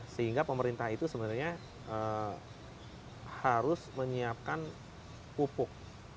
sehingga pemerintah itu sebenarnya harus menyiapkan pupuk